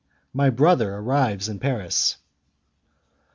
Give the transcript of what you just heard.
My Brother Arrives in Paris.